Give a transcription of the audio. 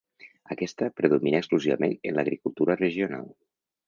Aquesta predomina exclusivament en l'agricultura regional.